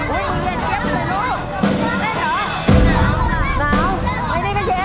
อุ๊ยมือเย็นเจ็บแต่รู้เล่นหรือ